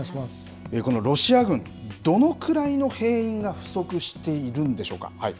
このロシア軍、どのくらいの兵員が不足しているんでしょうか。